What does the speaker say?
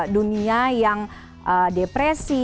dunia yang depresi